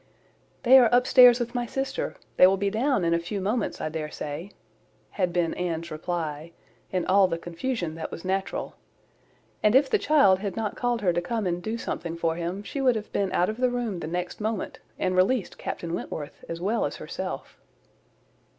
"They are up stairs with my sister: they will be down in a few moments, I dare say," had been Anne's reply, in all the confusion that was natural; and if the child had not called her to come and do something for him, she would have been out of the room the next moment, and released Captain Wentworth as well as herself.